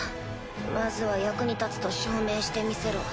まずは役に立つと証明してみせろ。